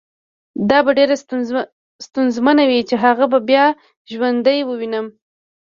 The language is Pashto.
دا به ډېره ستونزمنه وي چې هغه دې بیا ژوندی ووینم